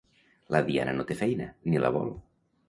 La Diana no té feina, ni la vol.